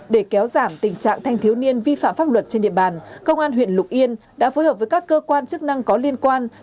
để kéo giảm tình trạng thanh thiếu niên vi phạm pháp luật trên địa bàn công an huyện lục yên đã phối hợp với các cơ quan chức năng có liên quan